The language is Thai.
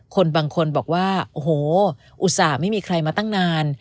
คนบางคนบอกว่าโอ้โหอุตส่าห์ไม่มีใครมาตั้งนาน